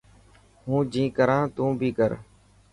هون جين ڪران تو بي ڪر.